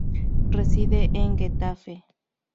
Reside en Getafe.